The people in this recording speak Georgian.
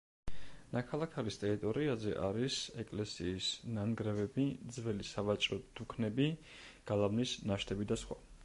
ნაქალაქარის ტერიტორიაზე არის ეკლესიის ნანგრევები, ძველი სავაჭრო დუქნები, გალავნის ნაშთები და სხვა.